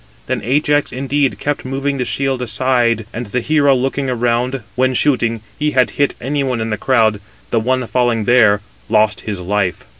Then Ajax, indeed, kept moving the shield aside, and the hero looking around, when shooting, he had hit any one in the crowd, the one 278 falling there, lost his life.